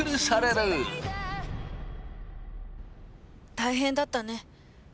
大変だったね。